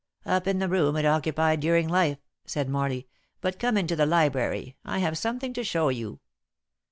"Up in the room it occupied during life," said Morley; "but come into the library, I have something to show you."